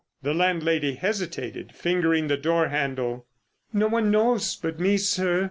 The landlady hesitated, fingering the door handle. "No one knows but me, sir.